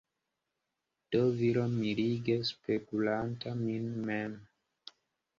Do viro mirige spegulanta min mem.